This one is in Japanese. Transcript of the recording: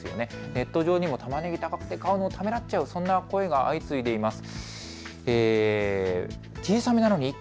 ネット上にもたまねぎが高くて買うのをためらってしまうそういう声が相次いでいます。